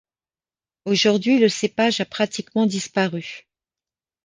Aujourd'hui, le cépage a pratiquement disparu.